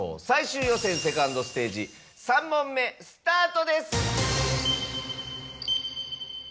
最終予選２ｎｄステージ３問目スタートです。